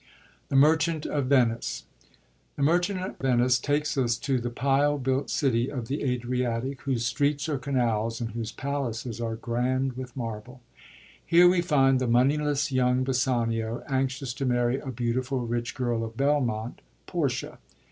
Thb Mbrchakt of Venice. — 2%« Merchant of Venice takes us to the pile built city of the Adriatic, whose streets are canals, and whose palaces are grand with marble. Here we find the moneyless young Bassanio, anxious to marry a beautiful, rich girl of Belmont, Portia.